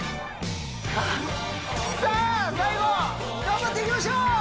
はあさあ最後頑張っていきましょう！